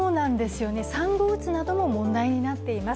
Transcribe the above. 産後うつなども問題になっています。